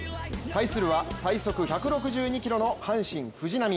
対するは、最速１６２キロの阪神・藤浪。